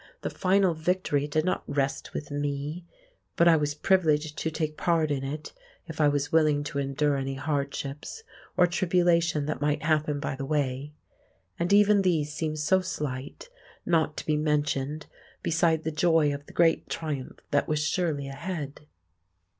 The final victory did not rest with me; but I was privileged to take part in it if I was willing to endure any hardships or tribulation that might happen by the way. And even these seemed so slight, not to be mentioned beside the joy of the great triumph that was surely ahead.